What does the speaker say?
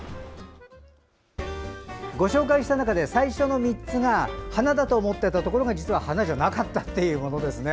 ご紹介した中で最初の３つが花だと思ってたところが実は花じゃなかったというものですね。